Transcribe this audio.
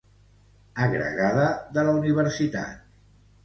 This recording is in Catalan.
Agregada de la Universitat.